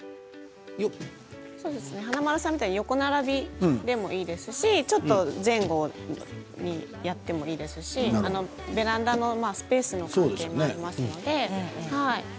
華丸さんみたいに横並びでもいいですしちょっと前後にやってもいいですしベランダのスペースの関係もありますので。